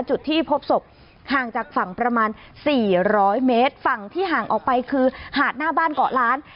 จุดที่พบศพห่างจากฝั่งประมาณสี่ร้อยเมตรฝั่งที่ห่างออกไปคือหาดหน้าบ้านเกาะล้าน